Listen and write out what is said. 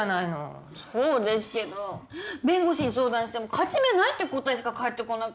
そうですけど弁護士に相談しても勝ち目ないって答えしか返ってこなくて。